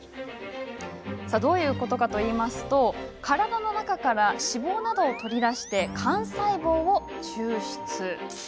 どういうことかというと体の中から脂肪などを取り出し幹細胞を抽出。